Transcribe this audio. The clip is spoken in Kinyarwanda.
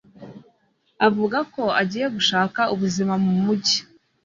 avuga ko agiye gushaka ubuzima mu mujyi